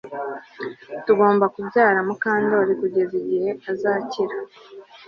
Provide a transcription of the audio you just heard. Tugomba kubyara Mukandoli kugeza igihe azakira